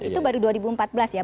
itu baru dua ribu empat belas ya